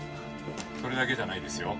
「それだけじゃないですよ」